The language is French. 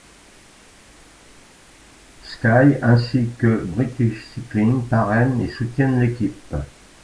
Sky, ainsi que British Cycling parrainent et soutiennent l'équipe.